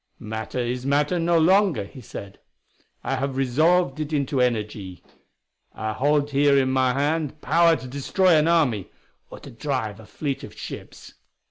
"Matter is matter no longer," he said; "I have resolved it into energy. I hold here in my hand power to destroy an army, or to drive a fleet of ships.